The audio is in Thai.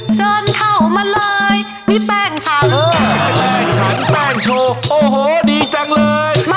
แป้งฉันแป้งโชว์โอ้โหดีจังเลย